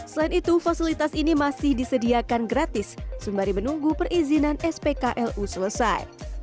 selain itu fasilitas ini masih disediakan gratis sembari menunggu perizinan spklu selesai